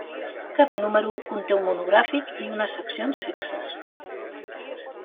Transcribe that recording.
Cada número conté un monogràfic i unes seccions fixes.